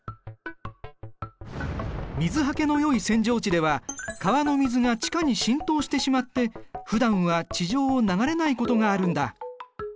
水はけのよい扇状地では川の水が地下に浸透してしまって普段は地上を流れないことがあるんだ。